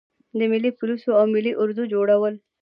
د ملي پولیسو او ملي اردو جوړول.